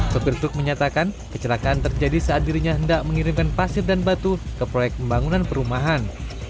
sopir truk menyatakan kecelakaan terjadi saat dirinya hendak mengirimkan pasir dan batu ke proyek pembangunan perumahan